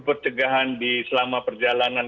pencegahan selama perjalanan